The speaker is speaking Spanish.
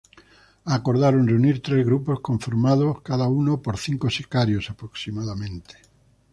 Acordaron reunir tres grupos conformado cada uno por cinco sicarios aproximadamente.